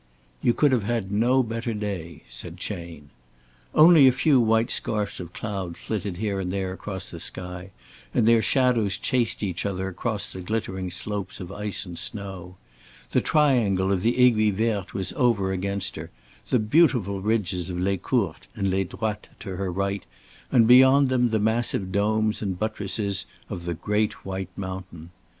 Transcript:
"You could have had no better day," said Chayne. Only a few white scarfs of cloud flitted here and there across the sky and their shadows chased each other across the glittering slopes of ice and snow. The triangle of the Aiguille Verte was over against her, the beautiful ridges of Les Courtes and Les Droites to her right and beyond them the massive domes and buttresses of the great white mountain.